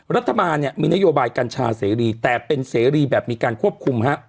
รัฐบาลเนี่ยมีนโยบายกัญชาเสรีแต่เป็นเสรีแบบมีการควบคุม